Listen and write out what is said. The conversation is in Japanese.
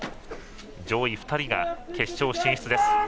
上位２人が決勝進出です。